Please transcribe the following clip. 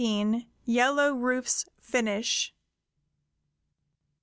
YELLOW RUFE'S FINISH.